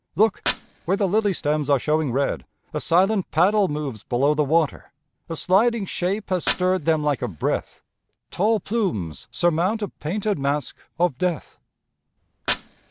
Look! Where the lily stems are showing red A silent paddle moves below the water, A sliding shape has stirred them like a breath; Tall plumes surmount a painted mask of death.